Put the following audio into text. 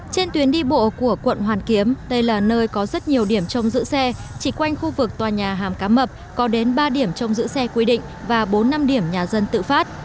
trên tuyến đi bộ của quận hoàn kiếm đây là nơi có rất nhiều điểm trong giữ xe chỉ quanh khu vực tòa nhà hàm cá mập có đến ba điểm trong giữ xe quy định và bốn năm điểm nhà dân tự phát